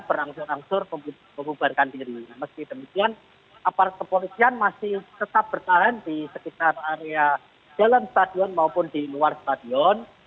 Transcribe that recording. berangsur angsur mengubarkan diri meski demikian aparat kepolisian masih tetap bertahan di sekitar area dalam stadion maupun di luar stadion